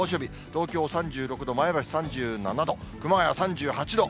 東京３６度、前橋３７度、熊谷３８度。